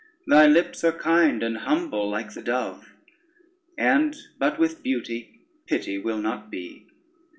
Thy lips are kind, and humble like the dove, And but with beauty, pity will not be.